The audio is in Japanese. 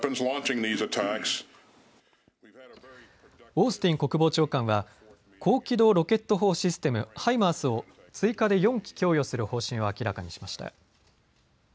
オースティン国防長官は高機動ロケット砲システム・ハイマースを追加で４基供与する方針を明らかにしました。